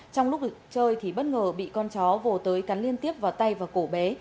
trong lúc chơi thì bất ngờ bị con chó vổ tới cắn liên tiếp vào tay và cổ bé